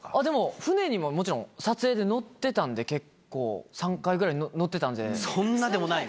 でも船にももちろん撮影で乗ってたんで結構３回ぐらい乗ってたんで。